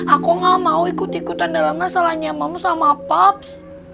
aku nggak mau ikut ikutan dalam masalahnya mams sama paps